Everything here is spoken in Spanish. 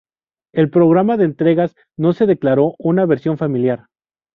En el programa de entregas no se declaró una versión familiar.